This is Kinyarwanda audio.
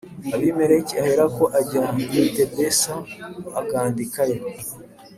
Abimeleki aherako ajya i Tebesa agandikayo